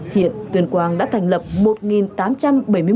hiện tuyên quang đã thành lập một tám trăm bảy mươi một tổ công nghệ số cộng đồng